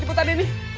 cabut aja ini